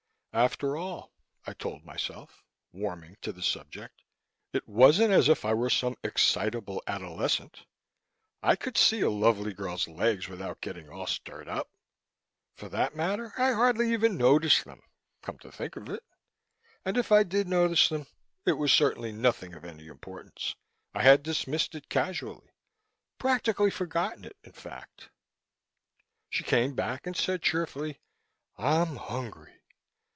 After all, I told myself, warming to the subject, it wasn't as if I were some excitable adolescent. I could see a lovely girl's legs without getting all stirred up. For that matter, I hardly even noticed them, come to think of it. And if I did notice them, it was certainly nothing of any importance; I had dismissed it casually, practically forgotten it, in fact. She came back and said cheerfully, "I'm hungry!"